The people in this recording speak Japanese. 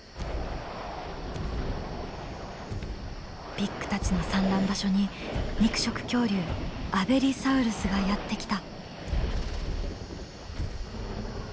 ビッグたちの産卵場所に肉食恐竜アベリサウルスがやって来た。